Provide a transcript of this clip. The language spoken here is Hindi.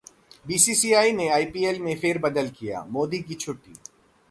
बीसीसीआई ने आईपीएल में फेरबदल किया, मोदी की छुट्टी